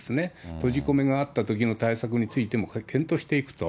閉じ込めがあったときの対策についても検討していくと。